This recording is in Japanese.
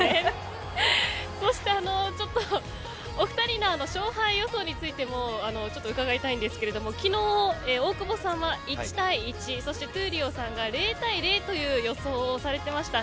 そうして、お２人の勝敗予想についてもちょっと伺いたいんですけれども昨日、大久保さんは１対１そして闘莉王さんが０対０という予想をされていました。